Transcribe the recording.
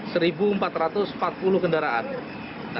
nanti ditambah lagi nangin beberapa kendaraan lainnya